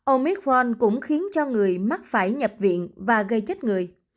omicron cũng khiến cho người mắc phải nhập viện và gây chết người